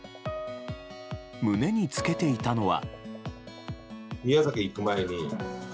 胸につけていたのは。